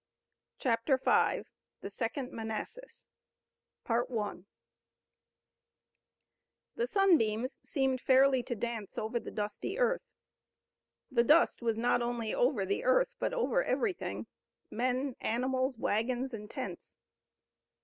CHAPTER V. THE SECOND MANASSAS The sunbeams seemed fairly to dance over the dusty earth. The dust was not only over the earth, but over everything, men, animals, wagons and tents.